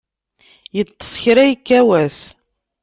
Iṭṭes kra ikka wass.